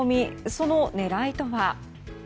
その狙いとは。